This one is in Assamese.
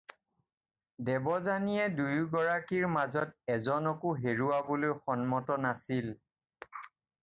দেৱযানীয়ে দুয়োগৰাকীৰ মাজত এজনকো হেৰুৱাবলৈ সন্মত নাছিল।